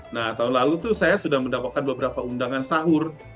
nah tahun lalu tuh saya sudah mendapatkan beberapa undangan sahur